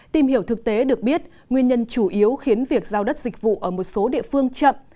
tìm hiểu thực tế được biết nguyên nhân chủ yếu khiến việc giao đất dịch vụ ở một số địa phương chậm